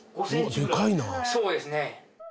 そうですね。